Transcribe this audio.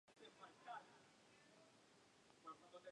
En adelante estrenaría muchas obras.